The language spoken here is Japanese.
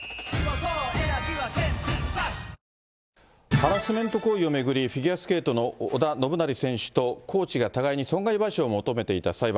ハラスメント行為を巡り、フィギュアスケートの織田信成選手とコーチが、互いに損害賠償を求めていた裁判。